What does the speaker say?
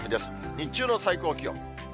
日中の最高気温。